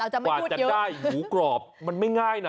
กว่าจะได้หมูกรอบมันไม่ง่ายนะ